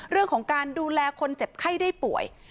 เรื่องของการดูแลคนเจ็บไข้ได้ป่วย